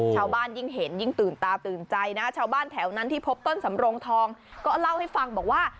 ยิ่งเห็นยิ่งตื่นตาตื่นใจนะชาวบ้านแถวนั้นที่พบต้นสำรงทองก็เล่าให้ฟังบอกว่า